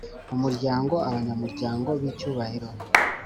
umuryango Abanyamuryango b icyubahiro